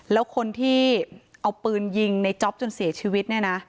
แล้วคนที่เอาปืนยิงในจ๊อปจนเสียชีวิตเนี่ยนะ